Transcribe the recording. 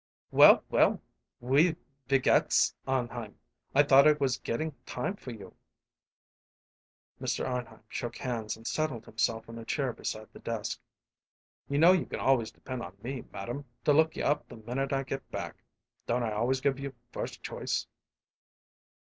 "Well, well! Wie geht's, Arnheim? I thought it was gettin' time for you." Mr. Arnheim shook hands and settled himself in a chair beside the desk. "You know you can always depend upon me, madame, to look you up the minnit I get back. Don't I always give you first choice?"